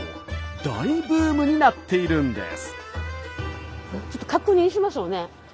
大ブームになっているんです。